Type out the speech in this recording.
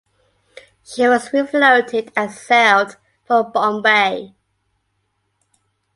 She was refloated and sailed for Bombay.